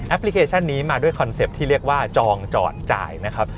พลิเคชันนี้มาด้วยคอนเซ็ปต์ที่เรียกว่าจองจอดจ่ายนะครับ